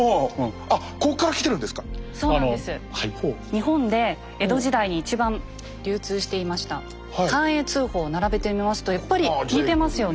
日本で江戸時代に一番流通していました寛永通宝を並べてみますとやっぱり似てますよね。